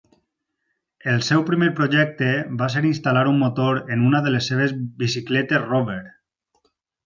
El seu primer projecte va ser instal·lar un motor en una de les seves bicicletes Rover.